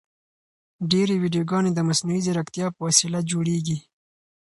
ډېرې ویډیوګانې د مصنوعي ځیرکتیا په وسیله جوړیږي.